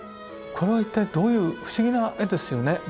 これは一体どういう不思議な絵ですよね。